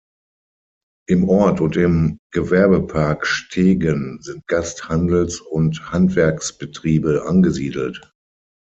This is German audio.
Im Ort und im Gewerbepark Stegen sind Gast-, Handels- und Handwerksbetriebe angesiedelt.